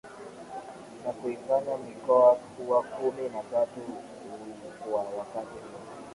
na kuifanya mikoa kuwa kumi na tatu kwa wakati huo